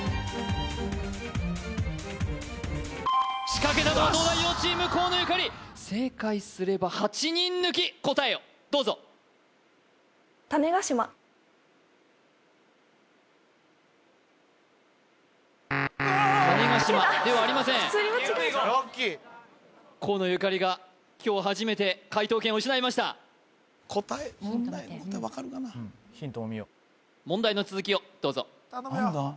仕掛けたのは東大王チーム河野ゆかり正解すれば８人抜き答えをどうぞ種子島ではありません普通に間違えた河野ゆかりが今日初めて解答権を失いました答え問題分かるかな問題の続きをどうぞ何だ？